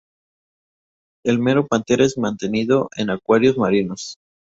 El mero pantera es mantenido en acuarios marinos.